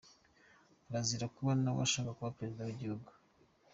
Arazira kuba nawe ashaka kuba president w’igihugu.